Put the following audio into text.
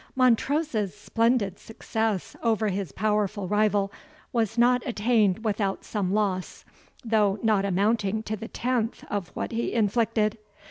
Montrose's splendid success over his powerful rival was not attained without some loss, though not amounting to the tenth of what he inflicted.